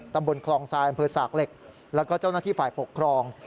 ตำบลคลองทรายอำเภอสากเหล็กแล้วก็เจ้าหน้าที่ฝ่ายปกครอง